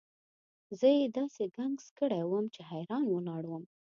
زه یې داسې ګنګس کړی وم چې حیران ولاړ وم.